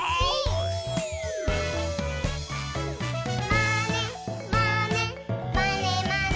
「まねまねまねまね」